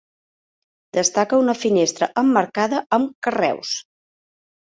Destaca una finestra emmarcada amb carreus.